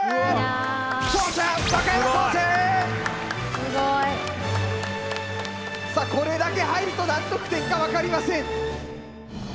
すごい！さあこれだけ入ると何得点か分かりません。